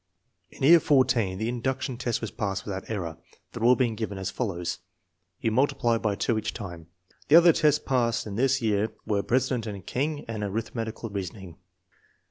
In year 14 the induction test was passed without error, the rule being given as follows: "You multiply by two each time." The other tests passed in this FORTY ONE SUPERIOR CHILDREN 253 year were president and king and arithmetical reason ing.